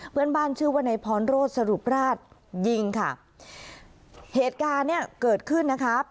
เพื่อนบ้านชื่อว่านายพรโรธสรุปราชยิงค่ะเหตุการณ์เนี้ยเกิดขึ้นนะครับ